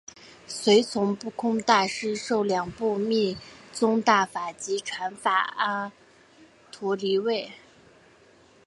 随从不空大师受两部密宗大法及传法阿阇黎位。